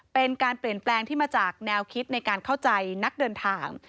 เป็นการเปลี่ยนแปลงที่มาจากแนวคิดในการเข้าใจนักเดินทาง